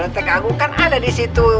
leteng agung kan ada disitu